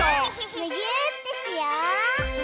むぎゅーってしよう！